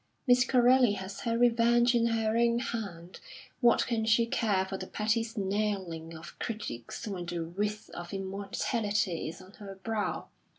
Miss Corelli has her revenge in her own hand; what can she care for the petty snarling of critics when the wreath of immortality is on her brow.